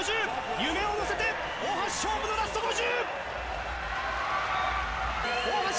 夢を乗せて大橋、勝負のラスト５０。